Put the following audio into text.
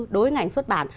đối với ngành xuất bản